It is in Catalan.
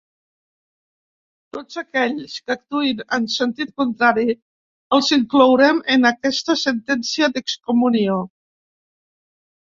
Tots aquells que actuïn en sentit contrari els inclourem en aquesta sentència d'excomunió.